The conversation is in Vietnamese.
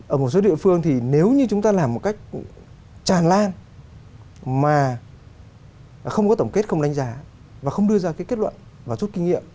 ở một số địa phương thì nếu như chúng ta làm một cách tràn lan mà không có tổng kết không đánh giá và không đưa ra cái kết luận và chút kinh nghiệm